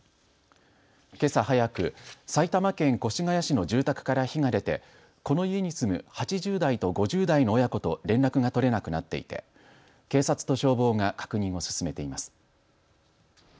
けさ早く埼玉県越谷市の住宅から火が出てこの家に住む８０代と５０代の親子と連絡が取れなくなっていて警察と消防が確認を進めています。